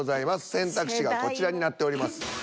選択肢がこちらになっております。